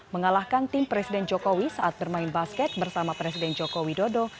mengalahkan tim presiden jokowi saat bermain basket bersama presiden joko widodo